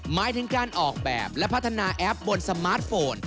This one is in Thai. หมายถึงการออกแบบและพัฒนาแอปบนสมาร์ทโฟน